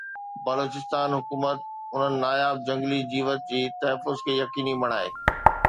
بلوچستان حڪومت انهن ناياب جهنگلي جيوت جي تحفظ کي يقيني بڻائي